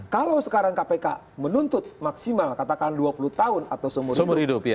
kalau sekarang kpk menuntut maksimal katakan dua puluh tahun atau seumur hidup